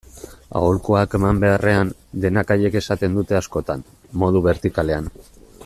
Aholkuak eman beharrean, dena haiek esaten dute askotan, modu bertikalean.